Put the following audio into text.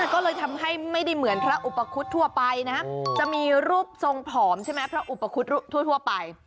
ก็เลยทำให้ไม่ได้เหมือนพระอุปคุฎทั่วไปนะจะมีรูปทรงผอมใช่ไหมพระอุปคุฎทั่วไป